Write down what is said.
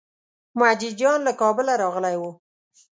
مجید جان له کابله راغلی و.